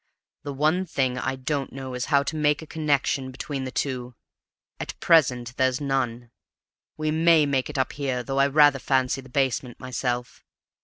The one thing I don't know is how to make a connection between the two; at present there's none. We may make it up here, though I rather fancy the basement myself.